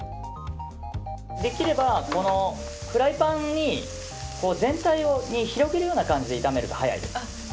できればフライパン全体に広げるような感じで炒めると早いです。